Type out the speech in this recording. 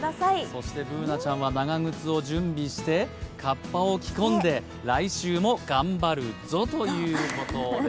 そしてＢｏｏｎａちゃんは長靴を準備して、かっぱを着込んで、来週も頑張るぞということでした。